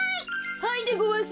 はいでごわす。